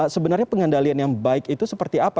sebenarnya pengendalian yang baik itu seperti apa